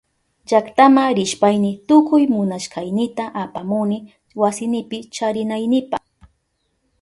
Llaktama rishpayni tukuy munashkaynita apamuni wasinipi charinaynipa.